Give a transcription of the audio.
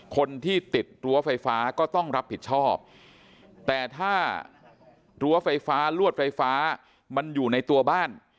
คนที่ติดรั้วไฟฟ้าก็ต้องรับผิดชอบแต่ถ้ารั้วไฟฟ้าลวดไฟฟ้ามันอยู่ในตัวบ้าน